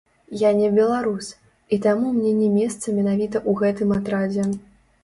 Я не беларус, і таму мне не месца менавіта ў гэтым атрадзе.